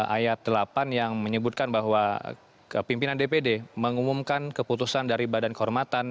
ayat delapan yang menyebutkan bahwa pimpinan dpd mengumumkan keputusan dari badan kehormatan